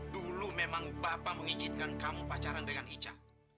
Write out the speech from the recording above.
dulu memang bapak mengizinkan kamu pacaran dengan ica